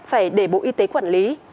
phải để bộ y tế quản lý